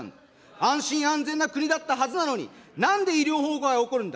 安心・安全な国だったはずなのに、なんで医療崩壊が起こるんだ。